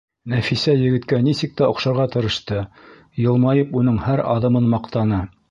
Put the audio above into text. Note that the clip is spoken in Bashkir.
Нәфисә егеткә нисек тә оҡшарға тырышты, йылмайып уның һәр аҙымын маҡтаны.